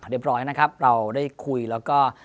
เรียบร้อยนะครับเราได้คุยแล้วก็